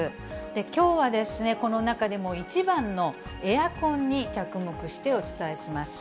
きょうはこの中でも１番のエアコンに着目してお伝えします。